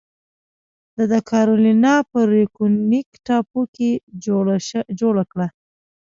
دا د کارولینا په ریونویک ټاپو کې جوړه کړه.